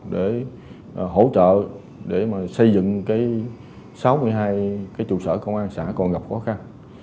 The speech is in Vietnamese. để hỗ trợ để xây dựng sáu mươi hai trụ sở công an xã còn gặp khó khăn